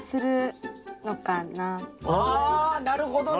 あなるほどね！